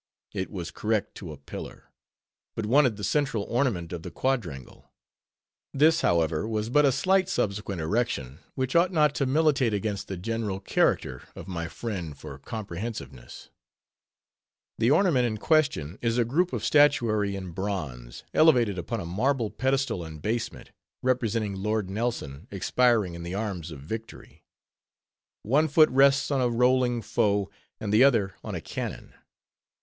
It was correct to a pillar; but wanted the central ornament of the quadrangle. This, however, was but a slight subsequent erection, which ought not to militate against the general character of my friend for comprehensiveness. The ornament in question is a group of statuary in bronze, elevated upon a marble pedestal and basement, representing Lord Nelson expiring in the arms of Victory. One foot rests on a rolling foe, and the other on a cannon.